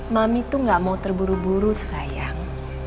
mami tuh gak mau terburu buru sayang